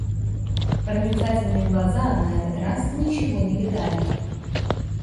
Проницательные глаза на этот раз ничего не видали.